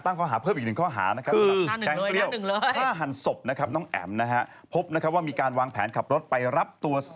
ตั้งข้อหาเพิ่มอีกหนึ่งข้อหานะครับ